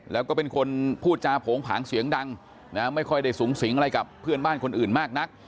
แล้วก็เป็นคนพูดจาโผงผางเสียงดังไม่ค่อยได้สูงสิงอะไรกับเพื่อนบ้านคนอื่นมากนัก